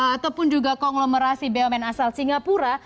ataupun juga konglomerasi bumn asal singapura